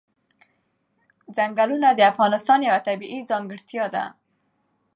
چنګلونه د افغانستان یوه طبیعي ځانګړتیا ده.